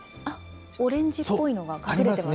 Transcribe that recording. オレンジっぽいのが隠れてますね。